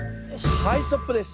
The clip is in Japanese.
はいストップです。